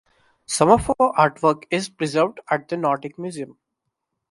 Some of her artwork is preserved at the Nordic Museum.